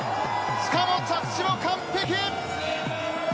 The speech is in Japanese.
しかも着地も完璧！